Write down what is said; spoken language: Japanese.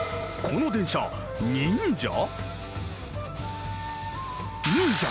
この電車忍者？